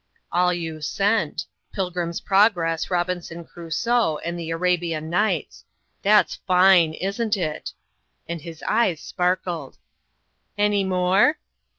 "All you sent Pilgrim's Progress, Robinson Crusoe, and the Arabian Nights. That's fine, isn't it?" and his eyes sparkled. "Any more?"